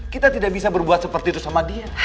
kita tidak bisa berbuat seperti itu sama dia